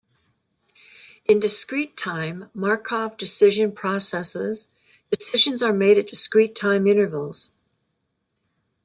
In discrete-time Markov Decision Processes, decisions are made at discrete time intervals.